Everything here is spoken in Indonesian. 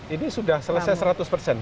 ini sudah selesai seratus persen